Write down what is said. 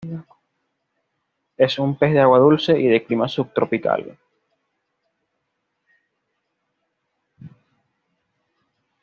Es un pez de Agua dulce y de clima subtropical.